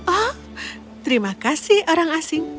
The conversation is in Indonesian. oh terima kasih orang asing